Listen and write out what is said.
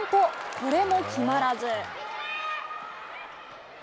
これも決まらず。